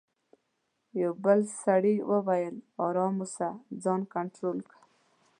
یوه بل سړي وویل: آرام اوسه، ځان کنټرول کړه.